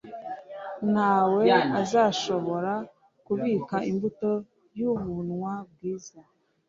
Ntawe azashobora kubiba imbuto y'ubuuunwa bwiza